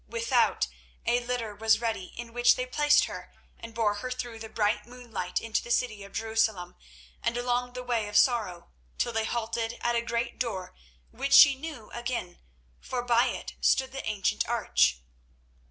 Without a litter was ready, in which they placed her and bore her through the bright moonlight into the city of Jerusalem and along the Way of Sorrow, till they halted at a great door, which she knew again, for by it stood the ancient arch.